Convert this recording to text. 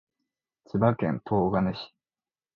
千葉県東金市